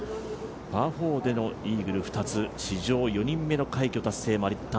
パー４でのイーグル２つ、史上４人目の快挙となりました